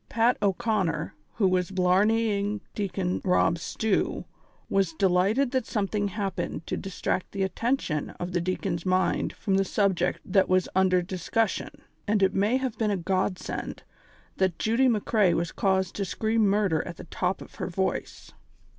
Pat O 'Conner, who was blarneying Deacon Rob Stew, was delighted that something happened to distract the attention of the dea con's mind from the subject that was then under discus sion, and it may have been a God send that Judy McCrea was caused to scream murder at the top of her voice.